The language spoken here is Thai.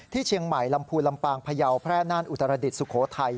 เชียงใหม่ลำพูนลำปางพยาวแพร่น่านอุตรดิษฐสุโขทัย